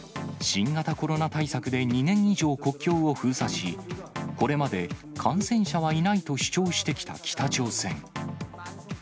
新型コロナ対策で２年以上、国境を封鎖し、これまで感染者はいないと主張してきた北朝鮮。